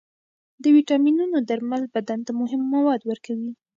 د ویټامینونو درمل بدن ته مهم مواد ورکوي.